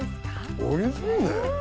おいしい！